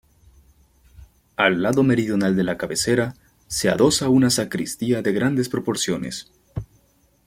Al lado meridional de la cabecera se adosa una sacristía de grandes proporciones.